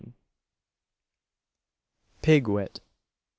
PIG WIT.